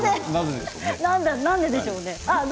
なぜでしょうね。